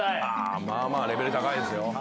まあまあレベル高いですよ。